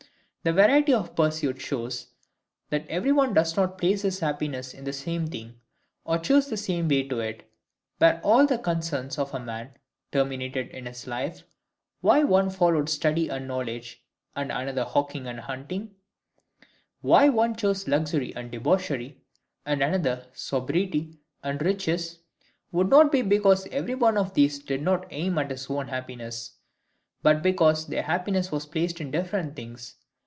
This variety of pursuits shows, that every one does not place his happiness in the same thing, or choose the same way to it. Were all the concerns of man terminated in this life, why one followed study and knowledge, and another hawking and hunting: why one chose luxury and debauchery, and another sobriety and riches, would not be because every one of these did NOT aim at his own happiness; but because their happiness was placed in different things.